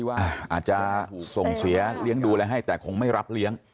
อาจจะส่งเสียเลี้ยงดูอะไรให้แต่คงไม่รับเลี้ยง